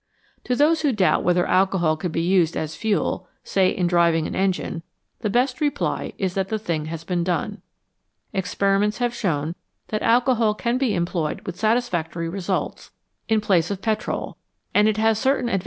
To those who doubt whether alcohol could be used as fuel, say in driving an engine, the best reply is that the thing has been done. Experiments have shown that alcohol can be employed with satisfactory results in place 140 By permission of Charles Dawson, Esq.